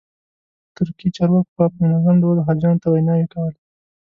ترکي چارواکو به په منظم ډول حاجیانو ته ویناوې کولې.